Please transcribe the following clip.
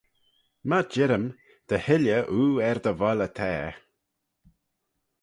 My jirrym, dty hilley oo er dty volley ta.